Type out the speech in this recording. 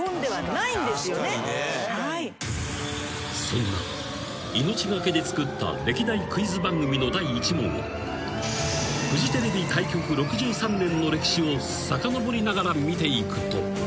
［そんな命懸けで作った歴代クイズ番組の第１問をフジテレビ開局６３年の歴史をさかのぼりながら見ていくと］